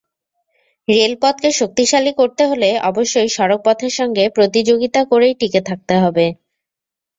রেলপথকে শক্তিশালী করতে হলে অবশ্যই সড়কপথের সঙ্গে প্রতিযোগিতা করেই টিকে থাকতে হবে।